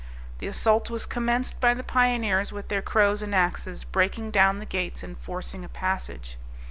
The assault was commenced by the pioneers, with their crows and axes, breaking down the gates and forcing a passage.